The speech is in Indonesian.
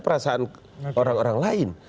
perasaan orang orang lain